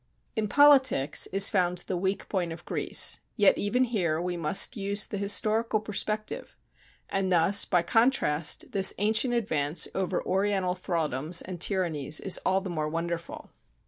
In politics is found the weak point of Greece; yet even here we must use the historical perspective. And thus, by contrast, this ancient advance over Oriental thraldoms and tyrannies is all the more wonderful.